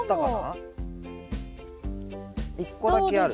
１個だけある。